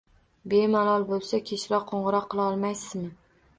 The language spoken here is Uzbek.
Bemalol bo’lsa, kechroq qo’ng’iroq qila olmaysizmi?